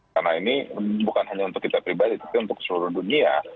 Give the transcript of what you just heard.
karena ini bukan hanya untuk kita pribadi tapi untuk seluruh dunia